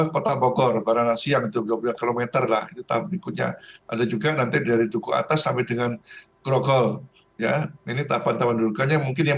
hotel koko lenganan siang ke relieved eh tak bunuhnya dan juga nanti ayo sampai dengan no yang